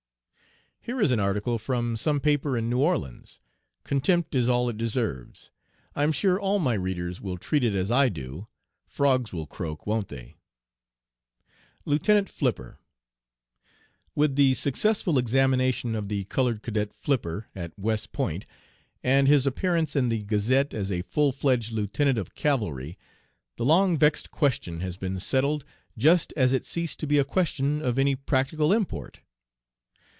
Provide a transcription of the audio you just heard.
Here is an article from some paper in New Orleans. Contempt is all it deserves. I am sure all my readers will treat it as I do. Frogs will croak, won't they? LIEUTENANT FLIPPER. "With the successful examination of the colored cadet Flipper, at West Point, and his appearance in the gazette as a full fledged lieutenant of cavalry, the long vexed question has been settled just as it ceased to be a question of any practical import.